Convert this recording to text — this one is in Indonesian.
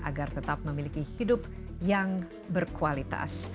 agar tetap memiliki hidup yang berkualitas